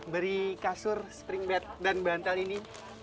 beri kasur spring bed dan bantal ini